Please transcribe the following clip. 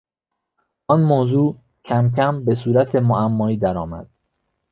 آن موضوع کمکم به صورت معمایی درآمد.